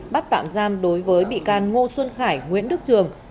bắt tạm giam đối với bị can ngô xuân khải nguyễn đức trường